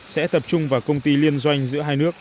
sẽ tập trung vào công ty liên doanh giữa hai nước